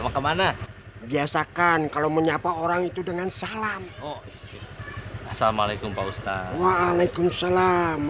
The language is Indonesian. kemana biasakan kalau menyapa orang itu dengan salam oh assalamualaikum pak ustadz waalaikumsalam